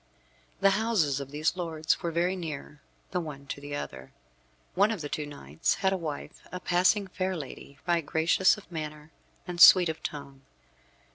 The houses of these lords were very near the one to the other. One of the two knights had to wife a passing fair lady, right gracious of manner and sweet of tongue.